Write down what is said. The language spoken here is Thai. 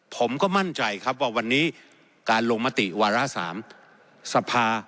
ผมก็มั่นใจครับว่าวันนี้การลงมติวาระ๓สภา